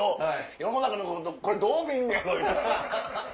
世の中これどう見んねやろ？みたいな。